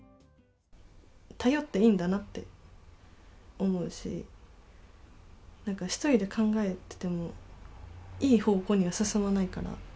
頼っていいんだなって思うし、なんか１人で考えてても、いい方向には進まないから。